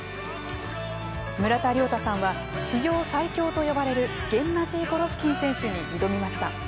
村田諒太さんは史上最強と呼ばれるゲンナジー・ゴロフキン選手に挑みました。